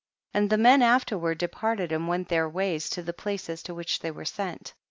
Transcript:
10. And the men afterward de parted and went their ways, to the places to which they were sent.